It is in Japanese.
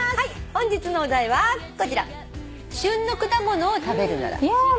本日のお題はこちら。